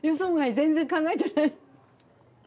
全然考えてない。